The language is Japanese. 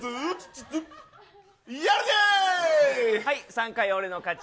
３回俺の勝ち。